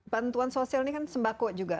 bantuan sosial ini kan sembako juga